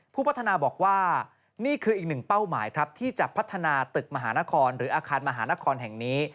ผู้พัฒนาบอกว่านี่คืออีกหนึ่งเป้าหมายครับที่จะพัฒนาตึกมหานครหรืออาคารมหานครแห่งนี้